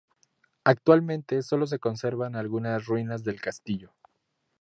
Actualmente sólo se conservan algunas ruinas del castillo.